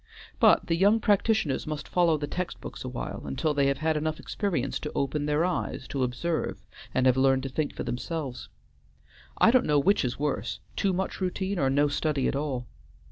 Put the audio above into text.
But the young practitioners must follow the text books a while until they have had enough experience to open their eyes to observe and have learned to think for themselves. I don't know which is worse; too much routine or no study at all.